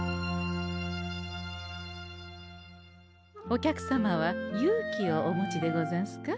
お客様は勇気をお持ちでござんすか？